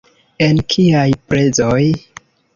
En kiaj prezoj?